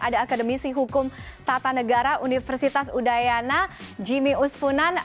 ada akademisi hukum tata negara universitas udayana jimmy uspunan